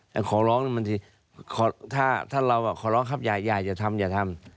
แต่ขอร้องนี่บางทีถ้าเราขอร้องครับอย่าทำอย่าทำ